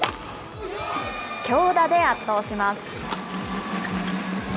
強打で圧倒します。